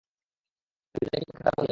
ভিতরে একটি কক্ষে তারা বন্দি আছে।